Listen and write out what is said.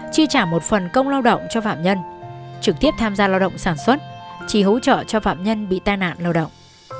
chi trả một phần công lao động cho phạm nhân trực tiếp tham gia lao động sản xuất chỉ hỗ trợ cho phạm nhân bị tai nạn lao động